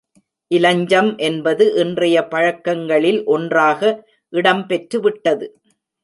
இலஞ்சம் என்பது இன்றைய பழக்கங்களில் ஒன்றாக இடம் பெற்றுவிட்டது.